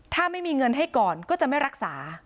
ถ้าไม่มีเงินให้ก่อนก็จะไม่รักษา